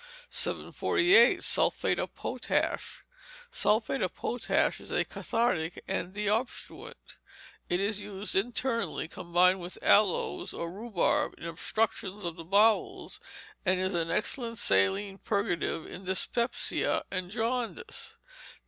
748. Sulphate of Potash Sulphate of Potash is a cathartic and deobstruent. It is used internally, combined with aloes or rhubarb, in obstructions of the bowels, and is an excellent saline purgative in dyspepsia and jaundice.